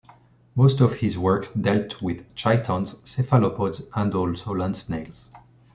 Most of his work dealt with chitons, cephalopods, and also land snails.